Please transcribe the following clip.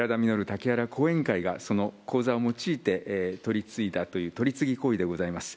竹原後援会がその口座を用いて取り次いだという、取次行為でございます。